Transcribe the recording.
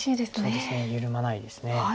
そうですね緩まないです。